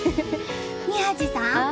宮司さん